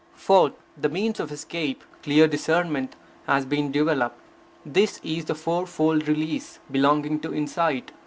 Fourth, the means of escape, clear discernment, has been developed. This is the fourfold release belonging to insight.